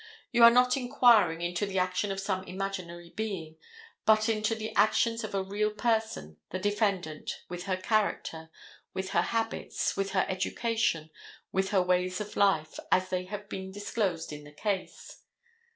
You are not inquiring into the action of some imaginary being, but into the actions of a real person, the defendant, with her character, with her habits, with her education, with her ways of life, as they have been disclosed in the case.